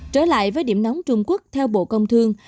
trở lại với điểm nóng trung quốc theo bộ công thương